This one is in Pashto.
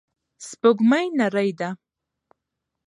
سپوږمۍ نرۍ ده.